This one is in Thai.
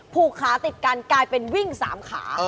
ผูกขาติดกันกลายเป็นวิ่ง๓ขา